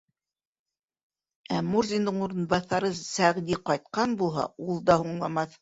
Ә Мурзиндың урынбаҫары Сәғди ҡайтҡан булһа, ул да һуңламаҫ.